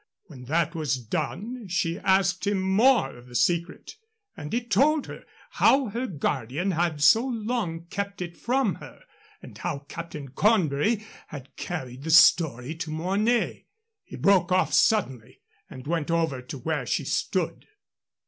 When that was done she asked him more of the secret. And he told her how her guardian had so long kept it from her, and how Captain Cornbury had carried the story to Mornay. He broke off suddenly and went over to where she stood.